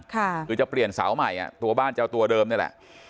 คือจะเปลี่ยนเสาใหม่ตัวบ้านจะเอาตัวเดิมนี่แหละ